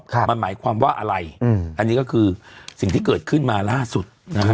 มันหมายความว่าอะไรอืมอันนี้ก็คือสิ่งที่เกิดขึ้นมาล่าสุดนะฮะ